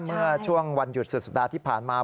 เมื่อช่วงวันหยุดสุดสัปดาห์ที่ผ่านมา